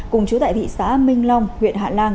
cùng chú tại thị xã minh long huyện hạ lan